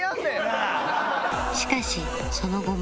しかしその後も